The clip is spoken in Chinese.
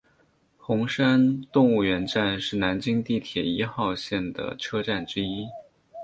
红山动物园站是南京地铁一号线的车站之一。